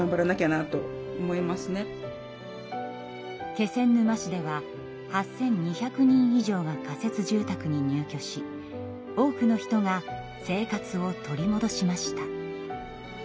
気仙沼市では８，２００人以上が仮設住宅に入居し多くの人が生活を取りもどしました。